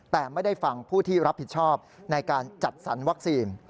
แต่ไม่ได้ฟังผู้ที่รับผิดชอบในการจัดสรรวัคซีน